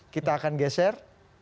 kita akan geser